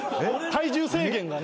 体重制限がね。